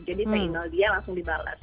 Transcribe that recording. jadi saya ingat dia langsung dibalas